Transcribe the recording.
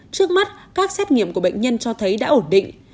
trước mắt các xét nghiệm của bệnh nhân cho thấy đã ổn định